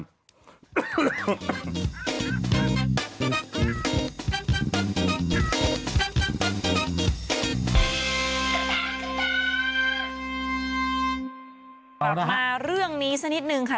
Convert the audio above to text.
กลับมาเรื่องนี้สักนิดนึงค่ะ